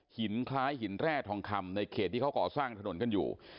คล้ายหินแร่ทองคำในเขตที่เขาก่อสร้างถนนกันอยู่